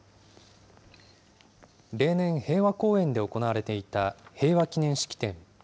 例年、平和公園で行われていた平和祈念式典。